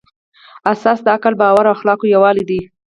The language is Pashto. اساس د عقل، باور او اخلاقو یووالی دی.